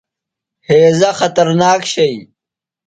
ہیضہ خطرناک شئی۔